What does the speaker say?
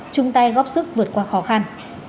chung tay góp sức vượt qua khó khăn